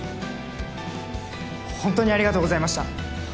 ほんとにありがとうございました。